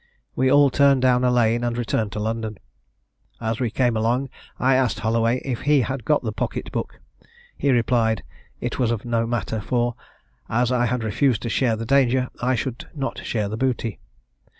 We all turned down a lane, and returned to London. As we came along I asked Holloway if he had got the pocket book. He replied it was no matter, for, as I had refused to share the danger, I should not share the booty.